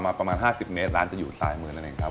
ประมาณ๕๐เมตรร้านจะอยู่ซ้ายมือนั่นเองครับ